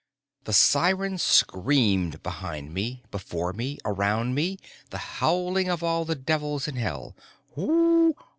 The siren screamed behind me, before me, around me, the howling of all the devils in hell _Hoo!